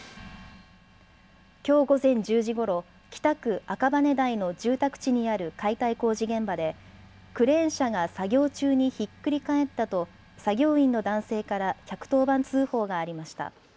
きょう午前１０時ごろ北区赤羽台の住宅地にある解体工事現場でクレーン車が作業中にひっくり返ったと、作業員の男性から１１０番通報がありました。